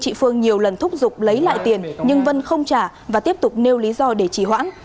chị phương nhiều lần thúc giục lấy lại tiền nhưng vân không trả và tiếp tục nêu lý do để trì hoãn